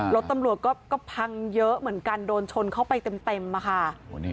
รถตำรวจก็พังเยอะเหมือนกันโดนชนเข้าไปเต็มอะค่ะ